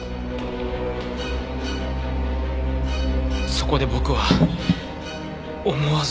そこで僕は思わず。